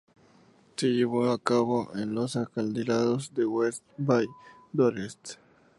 Se llevó a cabo en los acantilados de West Bay Dorset.